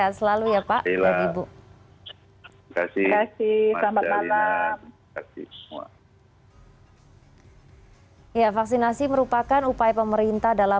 terima kasih sama sama